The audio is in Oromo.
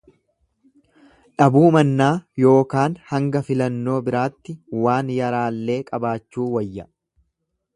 Dhabuu mannaa yookaan hanga filannoo biraatti waan yaraallee qabaachuu wayya.